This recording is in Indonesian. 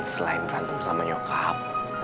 selain berantem sama nyokap